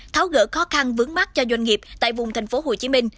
tháo gỡ khó khăn vướng mắt cho doanh nghiệp tại vùng tp hcm